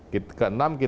ke enam kita